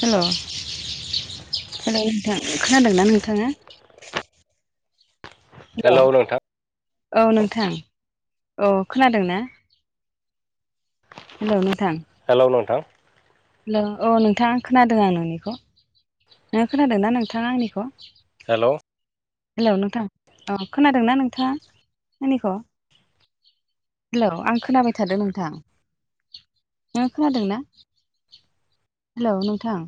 Hello hello नोंथां। खोनादोंना नोंथाङा? हेल' हेलौ नोंथां औ नोंथां औ खोनादों ना? हेलो नोंथां। हेलो नोंथां। हेलौ औ नोंथाङा खोनादों आं नोंनिखौ नों खोनादोंनाा नोंथाङा आंनिखौ। हेलौ हेलौ नोंथां औ खोनादोंना नोंथाङा मनिखौनो हेलौ आं खोनाबाय थादों नोंथां नोो खोनादों ना? हेलौ नोंथां।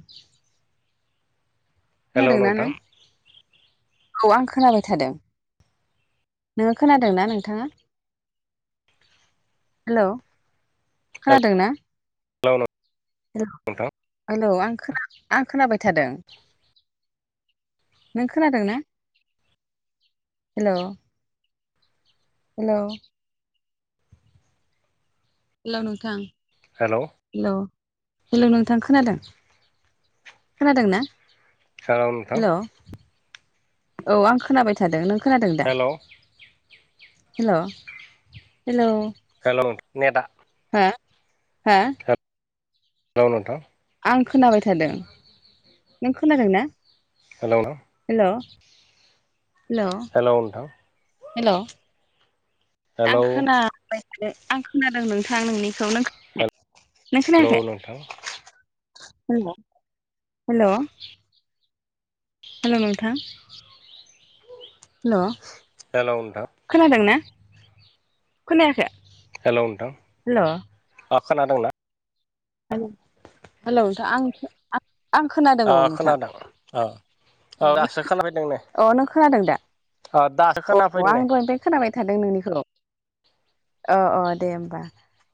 हेलौ खोनादोंना नोंथां नों औ आं खोनाबाय थादों। नोङो खोनादोंना नोंथाङा। हेल' खोनादों ना? हेलौ हेल नोंथां हेलौ आं आं खोनाबाय थादों। नों खोनादों ना हेलौ? हेलौ हेलौ नोंथां? हेलौ हेल' हेलौ नोंथां खोनादों खोनादों ना? हेलौ नोंथां हेल' औ आं खोनाबाय था खोनथादों नों खोनादों दा हेलौ हेलौ हेलौ। हेल' ने दा हा हा नोल नोंथां आं खोनाबाय थादों नों खोनादोंना? हेल' नोंथां हेल' हेल' हेलौ नोंथां हेल' आं हेलौ खोनाबाय थानो आं खोनादों नोंथां नोंनिखौ नों खोन [unintelligible] नों हेलौ खोनायाखै नोंथां हेल' हेल' हेल' नोंथां हेल' नोंथां खोनादों ना खोनायाखै हेल' नोंथां हेल' अ खोनादोंंना हेल' नोंथां आं आं खोनादों अ औ नोंथां खोनादों अ औ अ दासो खोनाफैदों नै अ नों खोनादों दा अ दासो अ खोनाफैदों आं नै दहायनिफ्राय खोनाबाय थादों नोंनिखौ अ अ दे होमबा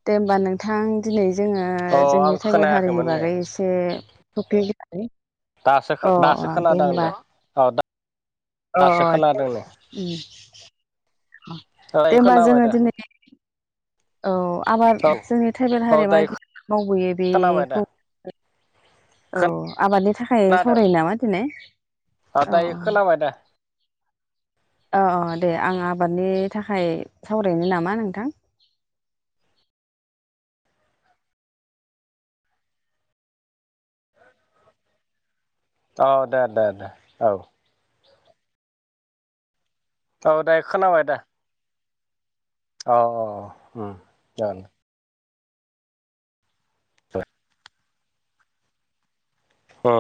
दे होमबा नों थां दिनै जोङो अ आं जोंनि ट्राइबेल हारिनि खोनायाखैमोन नै बागै एसे टपिकनि बागै [unintelligible] दासो खो दासो खोनादों आ दे औ दा अ अ [unintelligible] दायो दे होमबा खोनाबाय जोङो दा दिनै औ आबाद औ जोंनि ट्राइबेल औ हारिया दायो माबायदि मावबोयो खोनाबाय दा बेखौ औ आबादनि थाखाय खोनादों सावरायो नामा दिनै अ औ दायो खोनाबाय दा अ अ दे आं आबादनि थाखाय सावरायनो नामा नोंथां औ दे दे दे औ औ दायो खोनाबाय दे अ अ अ उम दे दे